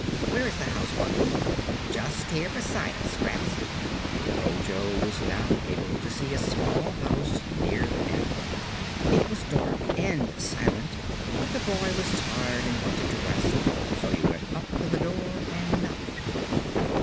"Where is the house, Bungle?" "Just here beside us, Scraps." Ojo was now able to see a small house near the pathway. It was dark and silent, but the boy was tired and wanted to rest, so he went up to the door and knocked.